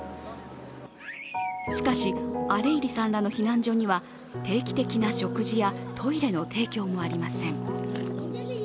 しかし、アレイリさんらの避難所には定期的な食事やトイレの提供もありません。